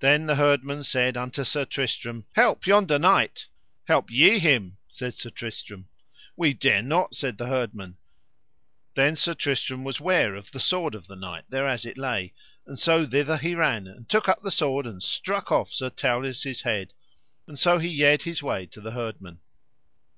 Then the herdmen said unto Sir Tristram: Help yonder knight. Help ye him, said Sir Tristram. We dare not, said the herdmen. Then Sir Tristram was ware of the sword of the knight thereas it lay; and so thither he ran and took up the sword and struck off Sir Tauleas' head, and so he yede his way to the herdmen.